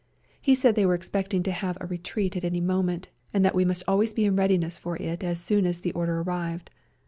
He said they were expecting to have a retreat at any moment, and that we must always be in readiness for it as soon as the order arrived.